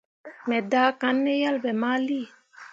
Me daakanne ne yelbe mali.